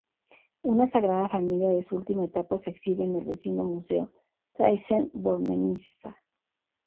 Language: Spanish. Una "Sagrada Familia" de su última etapa se exhibe en el vecino Museo Thyssen-Bornemisza.